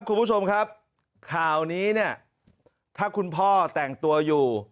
คุณผู้ชมครับข่าวนี้เนี่ยถ้าคุณพ่อแต่งตัวอยู่